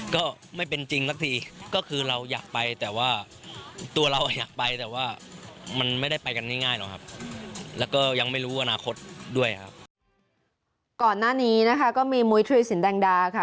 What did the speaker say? ก่อนหน้านี้นะคะก็มีมุยธุรสินแดงดาค่ะ